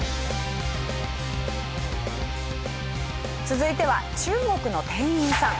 続いては中国の店員さん。